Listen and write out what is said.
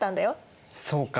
そうか。